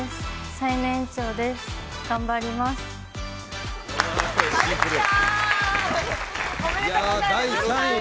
最年長です、頑張ります。